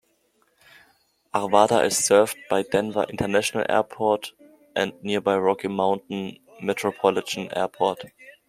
Arvada is served by Denver International Airport and nearby Rocky Mountain Metropolitan Airport.